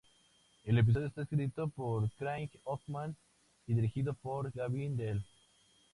El episodio está escrito por Craig Hoffman y dirigido por Gavin Dell.